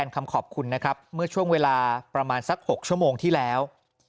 คำขอบคุณนะครับเมื่อช่วงเวลาประมาณสัก๖ชั่วโมงที่แล้ว